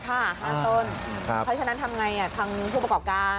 ค่ะห้าต้นเพราะฉะนั้นทำไงอ่ะทางผู้ประกอบการ